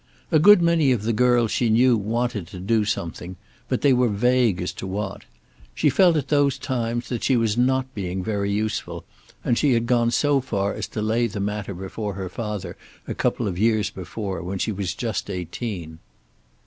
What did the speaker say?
A good many of the girls she knew wanted to do something, but they were vague as to what. She felt at those times that she was not being very useful, and she had gone so far as to lay the matter before her father a couple of years before, when she was just eighteen.